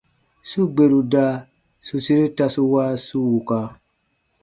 Su gberu da su sere tasu wa su wuka.